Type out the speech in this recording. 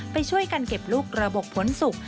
ไปช่วยกันเก็บลูกระบบผลสุก